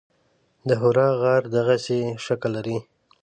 د حرا غر دغسې شکل لري.